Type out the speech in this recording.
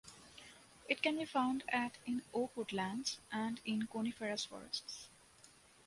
It can be found at in oak woodlands and coniferous forests.